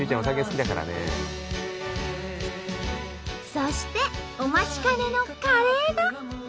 そしてお待ちかねのカレーが。